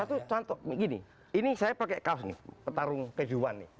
satu contoh gini ini saya pakai kaos nih pelarung kehidupan nih